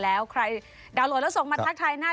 ชีวิตกระมวลวิสิทธิ์สุภาณีขวดชภัณฑ์